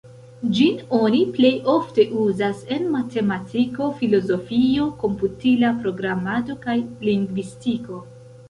Ĝin oni plej ofte uzas en matematiko, filozofio, komputila programado, kaj lingvistiko.